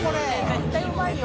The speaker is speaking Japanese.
絶対うまいよ。